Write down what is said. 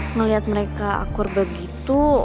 ngeliat mereka akur begitu